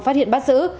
phát hiện bắt giữ